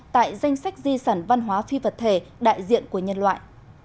tại danh sách di sản văn hóa phi vật thể đại diện của nhân loại